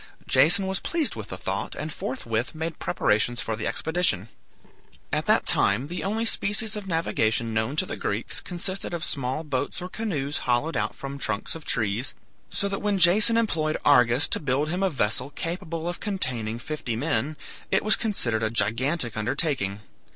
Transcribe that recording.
Jason was pleased with the thought, and forthwith made preparations for the expedition. At that time the only species of navigation known to the Greeks consisted of small boats or canoes hollowed out from trunks of trees, so that when Jason employed Argus to build him a vessel capable of containing fifty men, it was considered a gigantic undertaking.